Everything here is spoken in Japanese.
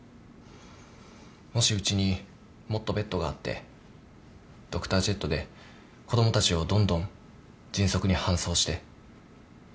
もしうちにもっとベッドがあってドクタージェットで子供たちをどんどん迅速に搬送して。